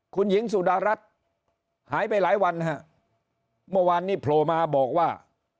คุณหญิงสุดารัฐหายไปหลายวันฮะเมื่อวานนี้โผล่มาบอกว่า